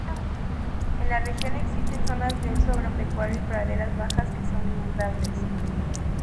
En la región existen zonas de uso agropecuario y praderas bajas que son inundables.